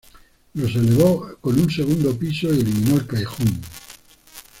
Los elevó con un segundo piso y eliminó el callejón.